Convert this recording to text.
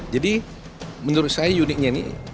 jadi menurut saya uniknya nih